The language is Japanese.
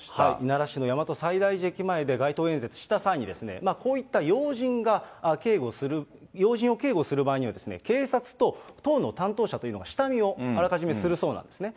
奈良市の大和西大寺駅前で、街頭演説した際に、こういった要人を警護する、要人を警護する場合には、警察と党の担当者というのが下見をあらかじめするそうなんですね。